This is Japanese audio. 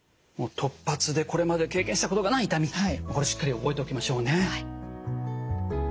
突発でこれまで経験したことがない痛みこれしっかり覚えておきましょうね。